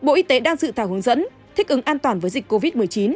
bộ y tế đang dự thảo hướng dẫn thích ứng an toàn với dịch covid một mươi chín